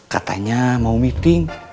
katanya mau meeting